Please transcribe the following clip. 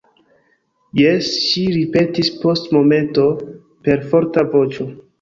Jes, ŝi ripetis post momento per forta voĉo.